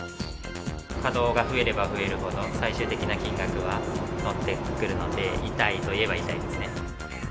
稼働が増えれば増えるほど、最終的な金額は乗ってくるので、痛いといえば痛いですね。